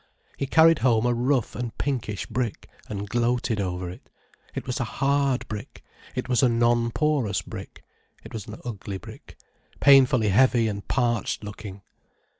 He carried home a rough and pinkish brick, and gloated over it. It was a hard brick, it was a non porous brick. It was an ugly brick, painfully heavy and parched looking.